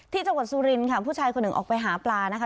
ที่จังหวัดสุรินค่ะผู้ชายคนหนึ่งออกไปหาปลานะคะ